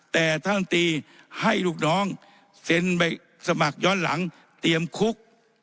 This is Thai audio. แต่ท่านตีให้ลูกน้องเซ็นใบสมัครย้อนหลังเตรียมคุก